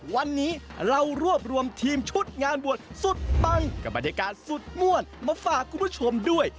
วันนี้เรารวบรวมทีมชุดงานบวชสุดปังกับบรรยากาศสุดม่วนมาฝากคุณผู้ชมด้วย